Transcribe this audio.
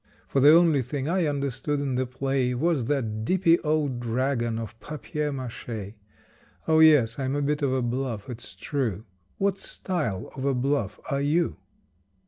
For the only thing I understood in the play Was that dippy, old dragon of papier maché. Oh, yes, I'm a bit of a bluff, it's true; What style of a bluff are you?